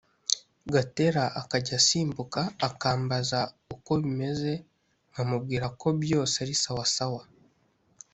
Gatera akajya asimbuka akambaza uko bimeze nkamubwira ko byose ari sawa sawa